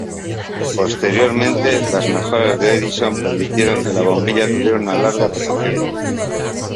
Posteriormente, las mejoras de Edison permitieron que la bombilla tuviera una larga duración.